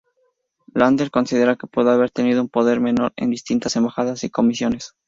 Lander considera que pudo haber tenido un poder menor en "distintas embajadas y comisiones".